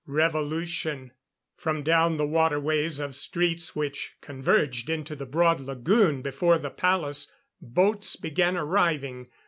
Revolution! From down the waterways of streets which converged into the broad lagoon before the palace, boats began arriving.